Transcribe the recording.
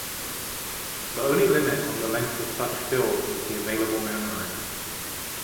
The only limit on the length of such fields was the available memory.